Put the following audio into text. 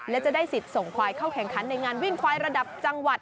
และจะได้สิทธิ์ส่งควายเข้าแข่งขันในงานวิ่งควายระดับจังหวัด